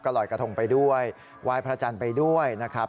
ลอยกระทงไปด้วยไหว้พระจันทร์ไปด้วยนะครับ